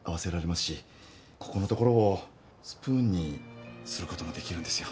ここのところをスプーンにすることもできるんですよ。